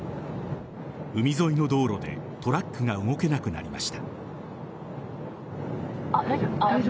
海沿いの道路でトラックが動けなくなりました。